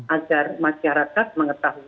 agar masyarakat mengetahui